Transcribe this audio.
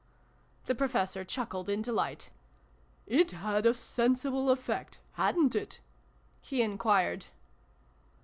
The Professor chuckled in delight. "It had a sensible effect Hadrit it ?" he enquired.